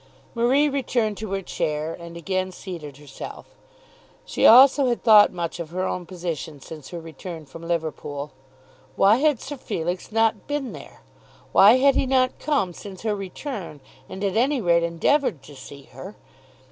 Marie returned to her chair and again seated herself. She also had thought much of her own position since her return from Liverpool. Why had Sir Felix not been there? Why had he not come since her return, and, at any rate, endeavoured to see her?